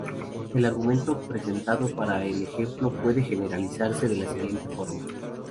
El argumento presentado para el ejemplo puede generalizarse de la siguiente forma.